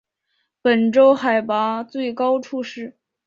本州海拔最高处是。